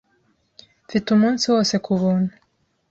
Mfite umunsi wose kubuntu.